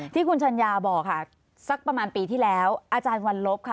ที่คุณชัญญาบอกค่ะสักประมาณปีที่แล้วอาจารย์วันลบค่ะ